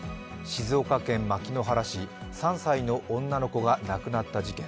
静岡県牧之原市、３歳の女の子が亡くなった事件。